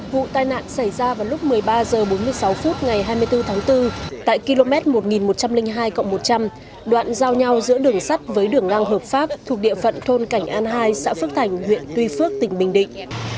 vụ tai nạn xảy ra vào lúc một mươi ba h bốn mươi sáu phút ngày hai mươi bốn tháng bốn tại km một nghìn một trăm linh hai một trăm linh đoạn giao nhau giữa đường sắt với đường ngang hợp pháp thuộc địa phận thôn cảnh an hai xã phước thành huyện tuy phước tỉnh bình định